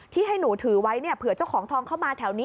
ที่ให้หนูถือไว้เนี่ยเผื่อเจ้าของทองเข้ามาแถวนี้